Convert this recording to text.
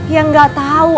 ya gak tahu